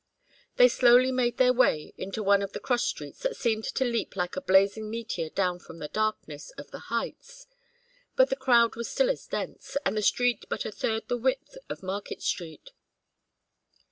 They slowly made their way into one of the cross streets that seemed to leap like a blazing meteor down from the darkness of the heights. But the crowd was still as dense, and the street but a third the width of Market Street.